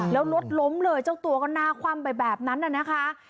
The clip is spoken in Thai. แล้วรถล้มเลยเจ้าตัวก็หน้าคว่ำไปแบบนั้นน่ะนะคะ